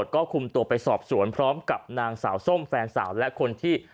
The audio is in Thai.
ก็คุมตัวไปสอบสวนพร้อมกับนางสาวส้มแฟนสาวและคนที่